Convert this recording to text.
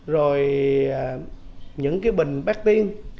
rồi những cái bình bát tiên